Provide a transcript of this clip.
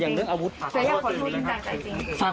เจ๊อยากขอโทษจริงจากใจจริง